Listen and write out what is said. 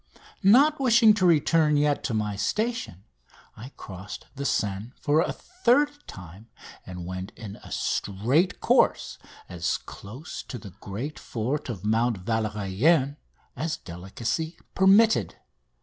Not wishing to return yet to my station I crossed the Seine for a third time and went in a straight course as close to the great fort of Mount Valerien as delicacy permitted.